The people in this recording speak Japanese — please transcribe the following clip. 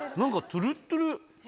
トゥルトゥル？